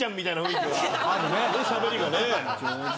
しゃべりがね。